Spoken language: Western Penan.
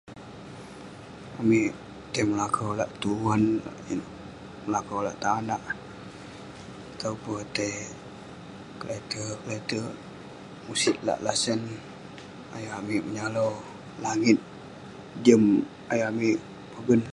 Amik tai melakau lak tuan, melakau lak tanak atau pe tai keletek-keletek, musit lak lasan, ayuk amik menyalau langit, jem ayuk amik pogen.